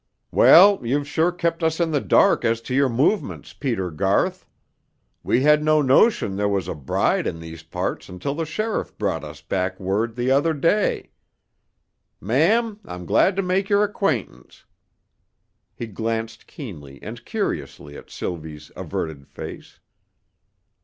"Well, you've sure kept us in the dark as to your movements, Peter Garth. We had no notion there was a bride in these parts until the sheriff brought us back word the other day. Ma'am, I'm glad to make your acquaintance." He glanced keenly and curiously at Sylvie's averted face.